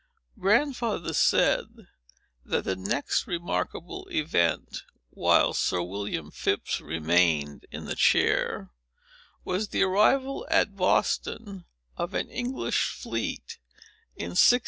Grandfather then said, that the next remarkable event, while Sir William Phips remained in the chair, was the arrival at Boston of an English fleet, in 1693.